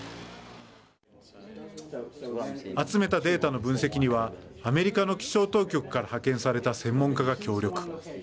集めたデータの分析にはアメリカの気象当局から派遣された専門家が協力。